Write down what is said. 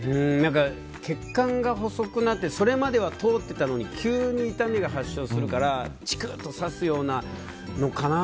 血管が細くなってそれまでは通ってたのに急に痛みが発症するからチクッと刺すようなのかな。